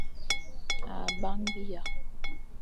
A bang biya.